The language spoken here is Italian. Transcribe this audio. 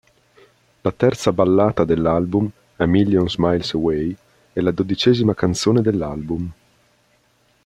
La terza ballata dell'album, "A Million Miles Away", è la dodicesima canzone dell'album.